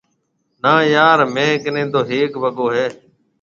نا يار ميه ڪنَي تو هيَڪ ئي وگو هيَ۔